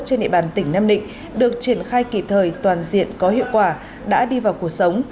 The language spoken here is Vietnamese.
trên địa bàn tỉnh nam định được triển khai kịp thời toàn diện có hiệu quả đã đi vào cuộc sống